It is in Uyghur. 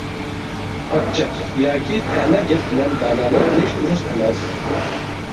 ئاچچىق ياكى تەنە گەپ بىلەن دانالىق قىلىش دۇرۇس ئەمەس.